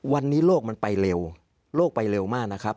วันนี้โลกมันไปเร็วโลกไปเร็วมากนะครับ